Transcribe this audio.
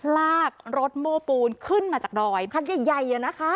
ลากรถโม้ปูนขึ้นมาจากดอยคันใหญ่นะคะ